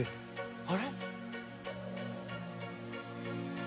「あれ？」